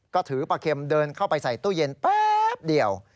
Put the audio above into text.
ก็ถือปลาเค็มเดินเข้าไปใส่ตู้เย็นแป๊บเดียว